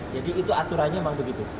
jadi itu aturannya memang begitu